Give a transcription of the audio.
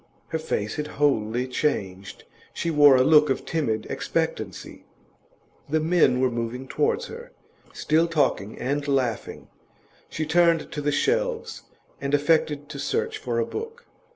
Her face had wholly changed; she wore a look of timid expectancy. The men were moving towards her, still talking and laughing. She turned to the shelves, and affected to search for a book.